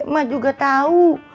ma juga tau